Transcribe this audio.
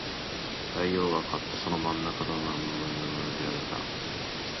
大王はかっとその真ん丸の眼を開いた